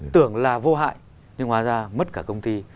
tưởng là vô hại nhưng hóa ra mất cả công ty